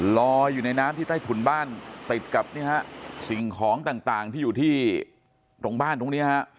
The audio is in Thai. ลอยอยู่ในน้ำที่ใต้ถุนบ้านติดกับสิ่งของต่างที่อยู่ที่ตรงบ้านตรงนี้ฮะ